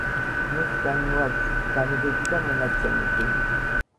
მისგან მოაქვს ბრძანებები და მონაცემები.